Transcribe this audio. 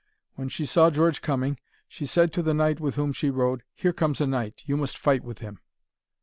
When she saw George coming, she said to the knight with whom she rode, 'Here comes a knight! you must fight with him.'